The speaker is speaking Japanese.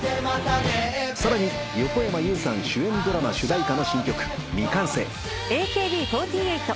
さらに横山裕さん主演ドラマ主題歌の新曲『未完成』ＡＫＢ４８